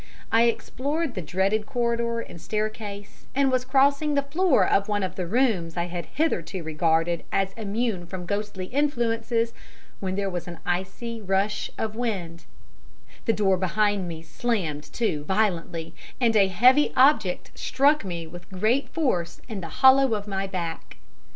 I explored the dreaded corridor and staircase, and was crossing the floor of one of the rooms I had hitherto regarded as immune from ghostly influences, when there was an icy rush of wind, the door behind me slammed to violently, and a heavy object struck me with great force in the hollow of my back.